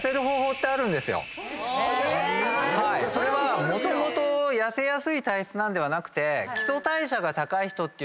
それはもともと痩せやすい体質なんではなくて。